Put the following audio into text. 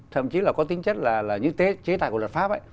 thậm chí là có tính chất là những chế tài của luật pháp ấy